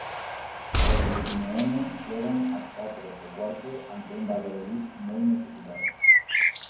Os de Simeone xogan ás catro e cuarto ante un Valladolid moi necesitado.